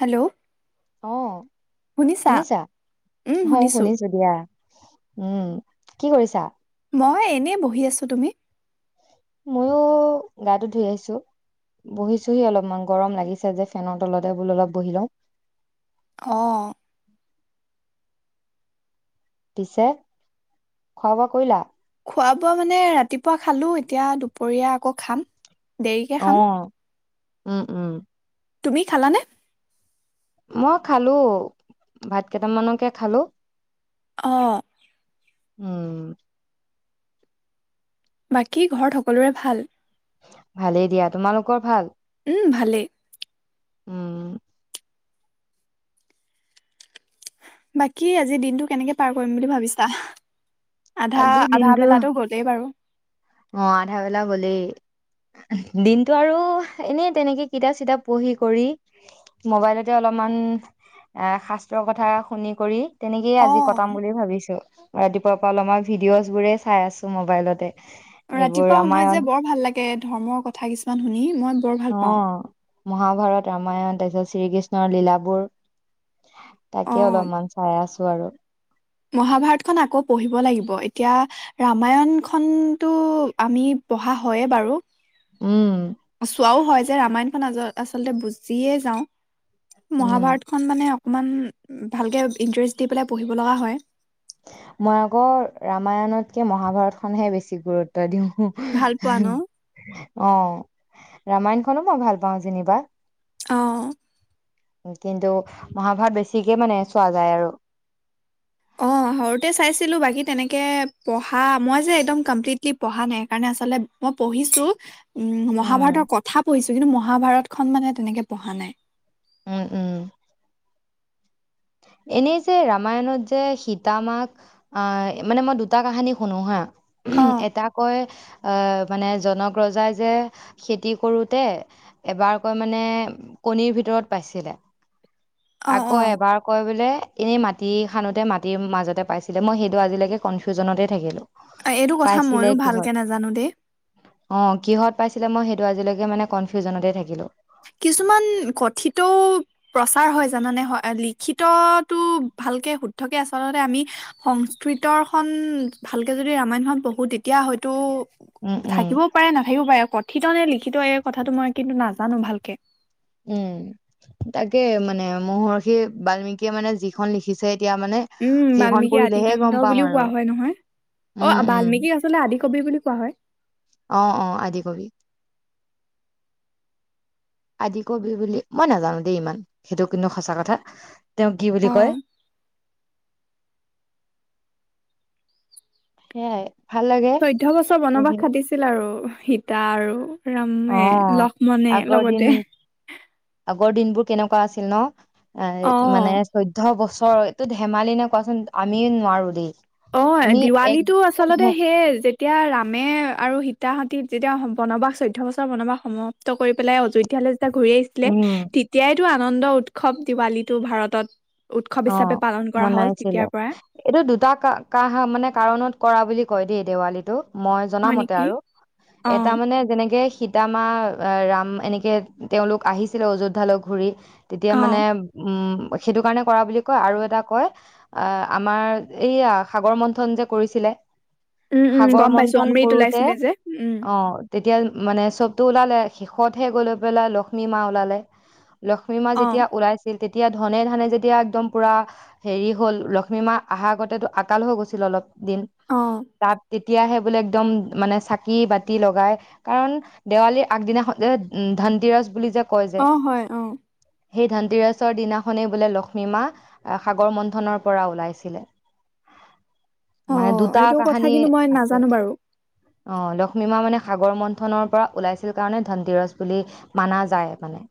Hello. অ', শুনিছা? অ', শুনিছো দিয়া উম। কি কৰিছা? মই এনেই বহি আছো, তুমি? ময়ো গাটো ধুই আহিছো বহিছোহি অলপমান গৰম লাগিছে যে ফেনৰ তলতে বোলো অলপ বহি লওঁ। অ'। পিছে, খোৱা বোৱা কৰিলা? খোৱা-বোৱা মানে ৰাতিপুৱা খালো এতিয়া দুপৰীয়া আকৌ খাম। দেৰিকে অ খাম। উম, উম। তুমি খালানে? মই খালো, ভাত কেইটামানকে খালো। অ'। উম। বাকী ঘৰ সকলোৰে ভাল? ভালেই দিয়া, তোমালোকৰ ভাল? ভালেই। উম। বাকী আজি দিনটো কেনেকে পাৰ কৰিম বুলি ভাবিছা? আধা, আজিৰ আধা দিনটো বেলাতো গ'লেই বাৰু। অ', আধা বেলা হ'লেই দিনতটো আৰু এনেই অ', অ', আধা বেলা গ'লেই দিনটো আৰু তেনেকে কিতাপ চিতাপ পঢ়ি কৰি মোবাইলতে অলপমান এ শাস্ত্ৰৰ কথা শুনি কৰি। তেনেকেই আজি অ', কটাম বুলি ভাবিছো। ৰাতিপুৱাৰ পৰা অলমান মই ভিডিঅ'জ বোৰে চাই আছো মোবাইলতে। এইবোৰ ৰাতিপুৱা সময়ত ৰামায়ণ যে বৰ ভাল লাগে ধৰ্মৰ কথা কিছুমান শুনি মই বৰ ভাল অ পাওঁ। মহাভাৰত ৰামায়ণ তাৰ পিছত শ্ৰীকৃষ্ণৰ লীলাবোৰ তাকে অলপমান চাই আছো আৰু। মহাভাৰতখনন আকৌ পঢ়িব লাগিব এতিয়া ৰামায়ন খনতো আমি পঢ়া হয়য়ে বাৰু। উম চোৱাও হয়। যে ৰামায়নখন আ আচলতে বুজিয়ে যাওঁ। উম মহাভাৰত খন মানে অকণমান ভালকৈ ইণ্টাৰেষ্ট দি পেলাই পঢ়িব লগা হয়। মই আকৌ ৰামায়ণতকে মহাভাৰতখনহে বেছি গুৰুত্ব দিওঁ। ভাল পোৱা ন? উম। অ', ৰামায়ণখনো মই ভাল পাওঁ যেনিবা। অ'। কিন্তু মহাভাৰত বেছিকে মানে চোৱা যায় আৰু। অ', সৰুতে চাইছিলো বাকী তেনেকে পঢ়া মই যে একদম কমপ্লিটলি পঢ়া নাই মানে মই আচলতে পঢ়িছো। উম মহাভাৰতৰ কথা কৈছো কিন্তু মহাভাৰতখন মানে তেনেকে পঢ়া নাই উম উম এনেকেই য ৰামায়নত যে সীতা মাক আঁ মানে মই দুটা কাহানী শুনো হা অ', এটা কয় এ মানে জনক ৰজাই যে খেতি কৰোতে এবাৰ কৈ মানে কণীৰ ভিতৰত পাইছিলে অ', আকৌ অ', এবাৰ বোলে এনেই মাটি খোতে মাটিৰ মাজতে পাইছিলে মই সেইটো আজিলৈকে কনফিউজনতেই থাকিলো এইটো কথা ময়ো ভালকে নাজানো দেই আছিলে মই সেইটো আজিলৈকে মানে কনফিউজনতেই থাকিলো কিছুমান কথিতও প্ৰচাৰ হয় জানানে লিখিতটো ভালকে শুদ্ধকে আচলতে আমি সংস্কৃতৰখন ভালকে যদি ৰামায়ণখন পঢ়ো তেতিয়া হয়তো থাকিবও থাকিলোঁ পাৰে নাথাকিবও পাৰে ক'ত ঠিত নলি কিন্তু এই কথাটো মই কিন্তু নাজানো জানো ভাল কে উম তাকে মানে মহৰ্ষি বাল্মিকিয়ীয়ে মানে যিখন লিখিছে এতিয়া মানে উম সেইখন বাল্মিকী পঢ়িলেহে আদিকানণ্ড গম পাম বুলিও আৰু কোৱা হয় নহয় অ উম উম বাল্মিকক আচলতে আদি কবি বুলি কোৱা হয় অ অ আদিকবি আদি কবি বুলি মই নাজানো দেই ইমান সেইটো কিন্তু সঁচা কথা তেওঁ কি বুলি অ কয় সেইযায় চৈধ্যয় বছৰ বনবাস খতিছিল আৰু সীতা আৰু অ ৰামে লক্ষ্মণে আগৰ দিন লগতে আগৰ দিনবোৰ কেনেকুৱা আছিল ন এ অ মানে চৈধ্যয় বছ এইটো ধেমালি নে কোৱাচোন আমিও নোৱাৰো দেই অ আমি এক দিৱালীটো আচলতে সে যেতিয়া ৰামে আৰু তাহতি যেতিয়া বনবাস চৈধ্য বছৰ বনবাস সমাপ্ত কৰি পেলাই অযোধ্যালৈ ঘূৰি আহিছিলে উম তেতিয়াই এইটো আনন্দ উৎসৱ দিৱালীটো ভাৰতত উৎসৱ অ হিচাপে পালন কৰা হ'ল মনাইছিলে তেতিয়াৰ পৰাই। এইটো দুটা কা মানে কাৰণত কৰা বুলি কয় দেই দেৱালীটো মই হয় জনামতে নেকি? আৰু এটা অ' মানে যেনেকে সীতামা ৰাম এনেকৈ তেওঁলোক আহিছিলে অযোধ্যালৈ ঘূৰি তেতিয়া মানে অ' উম সেইটো কাৰণে কৰা বুলি কয় আৰু এটা কয় আমাৰ এইয়া সাগৰ মন্থন যে কৰিছিলে উম উম সাগৰ গম পাইছো মন্থন অমৃত কৰোতে ওলাইছিলে যে উম অ তেতিয়া মানে চবটো ওলালে শেষতহে গৈ লৈ পেলাই লক্ষ্মী মা ওলালে লক্ষ্মীমা অ' যেতিয়া ওলাইছিল তেতিয়া এতিয়া ধনে ধানে যে এতিয়া একদম পুৰা হেৰি হ'ল লক্ষ্মী মা আহাৰ আগতেতো আকাল হৈ গৈছিল অলপ। দিন অ' [unintelligible] তেতিয়াহে বোলে একদম মানে চাকি বাতি লগাই কাৰণ দেৱালীৰ আগদিনা খনযে ধনতিৰজ বুলি যে কয় যে অ' হয় অ'। সেই ধনটিৰাচৰ দিনাখনেই বোলে লখ মীমা সাগৰ মন্থনৰ পৰা ওলাইছিলে। অ মানে দুটা এইটো কথা কাহানি কিন্তু মই আছে নাজানো বাৰু। অ লক্ষ্মী মা মানে সাগৰ মন্থনৰ পৰা ওলাইছিল কাৰণে ধনতিৰজ বুলি মানা যায় মানে।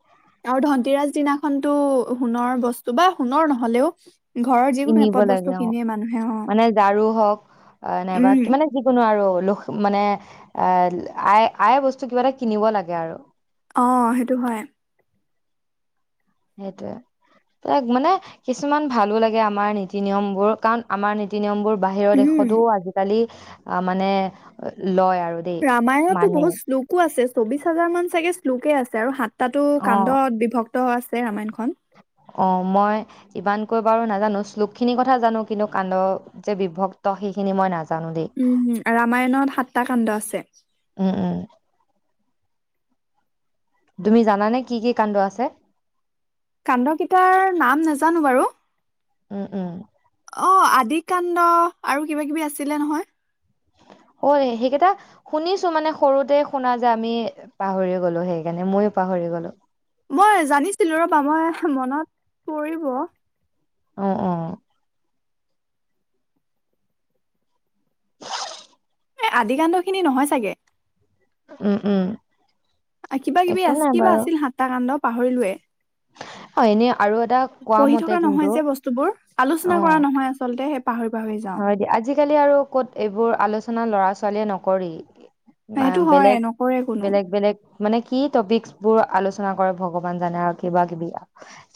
আৰু ধনতিৰাজ দিনাখনতো সোণৰ বস্তু বা সোণৰ নহলেও ঘৰৰ যিকোনো কিনিব এপদ বস্তু লাগে অ'। কিনে মানুহে অ' মানে ঝাৰু হওক অ নাইবা উম। মানে যিকোনো আৰু লোখ মানে এ আই - আই বস্তু কিবা এটা কিনিব লাগে আৰু। অ' সেইটো হয়। সেইটোয়ে তাক মানে কিছুমান ভালো লাগে আমাৰ নীতি নিয়ম বোৰ কাৰণ আমাৰ নীতি নিয়ম বোৰ বাহিৰৰ উম, দেশতো আজিকালি অ মানে লয় আৰ ৰামায়ণতো বহুত শ্লোকো আছে। চৌবিশ হাজাৰ মান চাগে শ্লোকে আছে আৰু [unintelligible] তাতো অ কাণ্ডত বিভক্ [unintelligible] ৰামায়ণখন। অ' মই ইমানকৈ বাৰু নাজানো শ্লোক খিনিৰ কথা জানো কিন্তু কাণ্ড যে বিভক্ত সেইখিনি মই না উম। ৰামায়ণত সাতটা কাণ্ড আছে। উম উম তুমি জানানে কি কি কাণ্ড আছে? কাণ্ড কেইটাৰ নাম নাজানো বাৰু। উম উম। অ' আদিকান্ড আৰু কিবা কিবি আছিলে নহয়। অই সেইকেইটা শুনিছো মানে সৰুতে শুনা যে আমি পাহৰিয়ে গলো সেইকাৰণে মইয়ো পাহৰি গলো। মই জানিছিলো ৰবা মই মনত পৰিব। অ' অ'। এ আদিকাণ্ড খিনি নহয় চাগে। উম উম। কিবা কিবি একো আছি - নাই কিবা বাৰু আছিল সাতটা কাণ্ড। পাহৰিলোৱে। অ এনেই পঢ়ি থকা নহয় যে বস্তুবোৰ আলোচনা কৰা অ', নহয় আচলতে পাহৰি পাহৰি যাওঁ। হয় দিয়া। আজিকালি আৰু ক'ত এইবোৰ আলোচনা ল'ৰা ছোৱালীয়ে নকৰেই অ সেইটো হয় বেলেগ, নকৰে কোনো। বেলেগ বেলেগ মানে কি টপিকচ্ বোৰ আলোচনা কৰে ভগৱান জানে আৰু কিবা কিবি।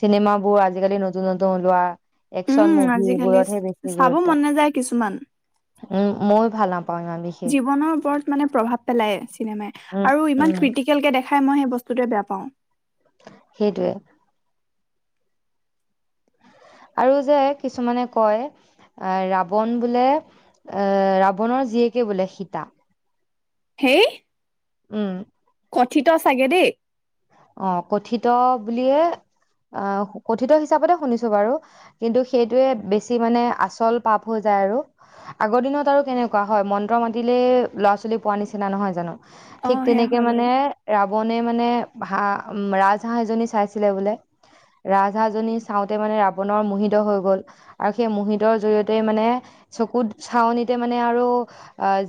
চিনেমাবোৰ আজিকালি নতুন নতুন ওলোৱা একচন উম, মুভি আজিকালি এইবোৰহে চ- ব চাব মন নাযায় কিছুমান উম, ময়ো ভাল নাপাওঁ ইমান বিশেষ। জীৱনৰ ওপৰত মানে প্ৰভাৱ পেলায় চিনেমা উম, আৰু ইমান উম, ক্ৰিটিকেল কে দেখা খাই মই সেই বস্তুটোৱে বেয়া পাওঁ সেইটোৱে আৰু যে কিছুমানে কয় আহ ৰাৱন বোলে এ ৰাৱণৰ জীয়েকে বোলে সীতা হেই উম কথিত চাগে দেই অ কথিত বুলিয়ে অ কথিত হিচাপতে শুনিছো বাৰু কিন্তু সেইটোোৱে বেছি মানে আচল পাপ হৈ যায় আৰু আগৰ দিনত আৰু কেনেকুৱা হয় মন্ত্ৰ মাতিলেে ল'ৰা ছোৱালী পোৱা নিচিনা নহয় জানো অ', ঠিক সেয়া তেনেকে হয় বাৰু। মানে ৰাৱণে মানে হাঁহ উ ৰাজহাঁহ এজনী চাইছিলে বোলে ৰাজহাঁহজনী চাওঁতে মানে ৰাৱণৰ মোহিত হৈ গল আৰু সেই মোহিতৰ জৰিয়তে মানে চকুত চাৱনিতে মানে আৰু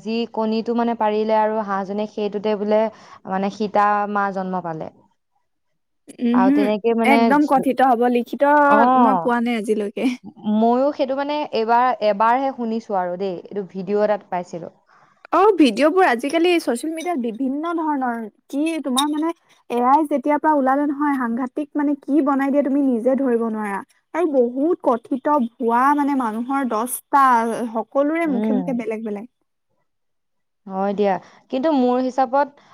যি কণীটো মানে পাৰিলে আৰু হাঁহজনী সেইটোতে বোলে মানে সীতা মা জন্ম পালে উম আৰু হম তেনেকৈ মানে একদম কথিত হব লিখিত মই অঁ পোৱা নাই আজিলৈকে ময়ো সেইটো মানে এইবাৰ এবাৰহে শুনিছো আৰু দেই এইটো ভিডিঅ' এটাত পাইছিলোঁ অ ভিডিঅ' বোৰ আজিকালি চচিয়েল মিডিয়াত বিভিন্ন ধৰণৰ কি তোমাৰ মানে এআই যেতিয়া পৰা ওলালে নহয় সাংঘাতিক মানে কি বনাই দিয়ে তুমি নিজে ধৰিব নোৱাৰা আৰু বহুত কথিত ভুৱা মানে মানুহৰ দচটা সকলোৰে মুখে মুখে উম বেলেগ বেলেগ হয় দিয়া কিন্তু মোৰ হিচাপত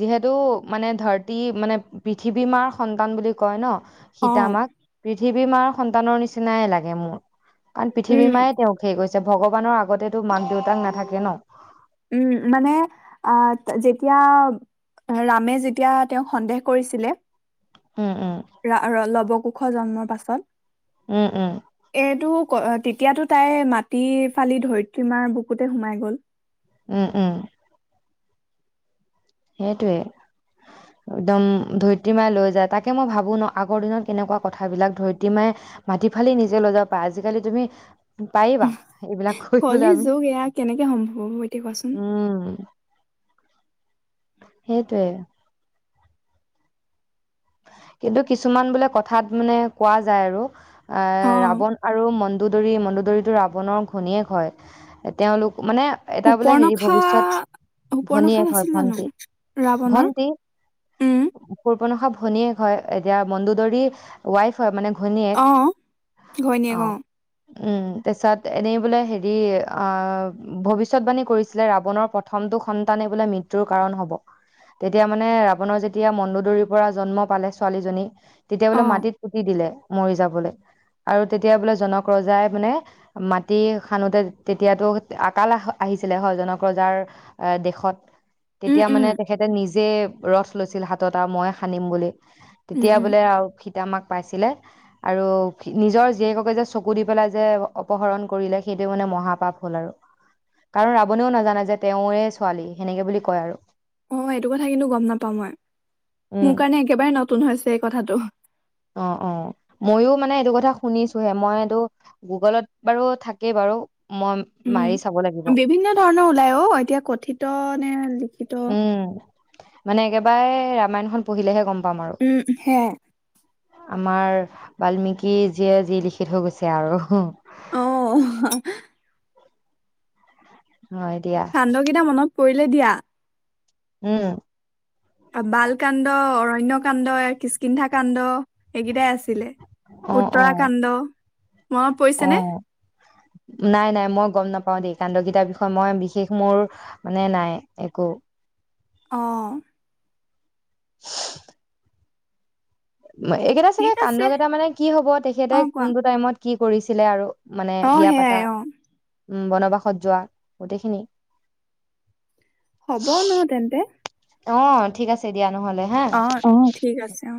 যিহেতু মানে ধৰতী মানে পৃথিৱী মাৰ সন্তান বুলি কয় ন অ সীতা মাক পৃথিৱী মাৰ সন্তানৰ নিচিনাই লাগে মোৰ কাৰণ উম পৃথিৱীমাই তেওঁক হেই কৈছে যে ভগৱানৰ আগতেতো মাক দেউতাক নাথাকে ন উম মানে আহ যেতিয়া ৰামে যেতিয়া তেওঁক সন্দেহ কৰিছিলে উম উম ৰ ল'ব কুশ জন্মৰ পাছত উম উম এইটো তেতিয়াতো তাই মাটি ফালি ধৰিত্ৰীমাৰ বুকুতে সোমাই গ'ল উম উম সেইটোৱে একদম ধৰিত্ৰী মায়ে লৈ যায় তাকে মই ভাবো ন আগৰ দিনত কেনেকুৱা কথাবিলাক ধৰিত্ৰী মায়ে মাটি ফালি নিজে লৈ যাব পা আজিকালি তুমি পাৰিবা এইবিলাক কৰিবলৈ কলি আমি যোগ এয়া কেনেকে সম্ভৱ হ'ব এতিয়া কোৱাচোন উম সেইটোৱে কিন্তু কিছুমান বোলে কথাত মানে কোৱা যায় আৰু এ অ ৰাৱণ আৰু ম মডু দৰি মণ্ডু দৰিটো ৰাৱণৰ ঘনীয়েক হয় তেওঁলোক মানে এটা বোলে হেৰি সুপৰ্ণখা ভৱিষ্যত ভনী সুপৰ্ণখা এক হয় নাছিল জানো ভণ্টি ৰাৱণৰ ভণ্টি উম কোন ভনীয়েক হয় এতিয়া মডু দৰি ৱাইফ হয় মানে ঘনীয়েক অ ঘৈণীয়েক অ উম তাৰিছত এনেই বোলে হেৰি আহ ভৱিষ্যতবাণী কৰিছিলে ৰাৱণৰ প্ৰথমটো সন্তানেই বোলে মৃত্যু হব কাৰণ হব তেতিয়া মানে ৰাৱণৰ যেতিয়া মডু দৰি পৰা জন্ম পালে ছোৱালীজনী তেতিয়া অ বোলে মাটিত পুতি দিলে মৰি যাবলৈ আৰু তেতিয়া বোলে জনক ৰজাই মানে মাটি খানোতে তেতিয়াতো আকাল আহিছিলে হয় জনক ৰজাৰ এ দেশত উম তেতিয়া মানে উম তেখেতে নিজে যে ৰথ লৈছিল হাতটা মই খানিম বুলি উম তেতিয়া উম বোলে আৰু আমাক পাইছিলে আৰু নিজৰ জীয়েককে যে চকু দি পেলাই যে অপহৰণ কৰিলে সেইটোৱে মানে মহাপাপ হ'ল আৰু কাৰণ ৰাৱণেও নাজানে যে তেওঁৱে ছোৱালী সেনেকে বুলি কয় আৰু অ এইটো কথা কিন্তু গম নাপাওঁ মই উম মোৰ কাৰণে একেবাৰে ন নতুন হৈছে এই কথাটো অ অ ময়ো মানে এইটো কথা শুনিছোহে মই এইটো গুগলত বাৰু থাকেই বাৰু মই মাৰি উম চাব লাগিব বিভিন্ন ধৰণৰ ওলাই অ এতিয়া কথিত মানে উম মানে একেবাৰে ৰামায়ণখন পঢ়িলেহে গম প উম হে আমাৰ বাল্মিকি যিয়ে যি লিখিত হৈ গৈছে আৰু অ হয় দিয়া কাণ্ড কেইটা মনত পৰিলে দিয়া উম বাল কান্ড অ কন্য কাণ্ড কিচকিন্ধা কাণ্ড এইকেইটাই আছিলে অ অ উত্তৰাখণ্ড মনত অ পৰিছেনে নাই নাই মই গম নাপাও দেই কাণ্ডগেইটাৰ বিষয়ে মই বিশেষ মোৰ মানে নাই একো। অঁ এইকেইটা চাগে ঠিক আছে কান্দকেইটা মানে কি হ'ব তেখেতে অ কোৱা কোনটো টাইমত কি কৰিছিলে আৰু মানে অ বিয়া পাতা সেয়াই অ উম বনবাসত যোৱা গোটেইখিনি হ'ব নহ তেন্তে। অ ঠিক আছে দিয়া। নহ'লে হা অ ঠিক আছে অ